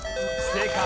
正解。